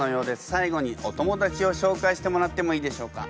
最後にお友達をしょうかいしてもらってもいいでしょうか？